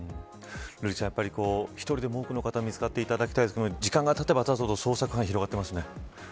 瑠麗さん、１人でも多くの方見つかっていただきたいですが時間がたてばたつほど捜索範囲が広がっていますね。